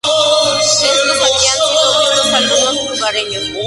Estos habían sido vistos, según los lugareños, por muchas personas.